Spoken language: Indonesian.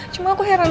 cuma aku heran aja